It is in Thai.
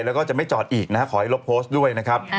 แล้วก็จะไม่จอดอีกนะฮะขอให้ลบโพสต์ด้วยนะครับ